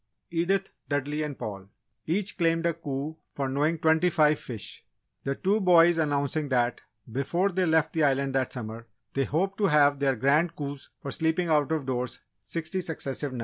Edith, Dudley and Paul, each claimed a coup for knowing twenty five fish; the two boys announcing that, before they left the island that summer, they hoped to have their Grand Coups for sleeping out of doors sixty successive nights.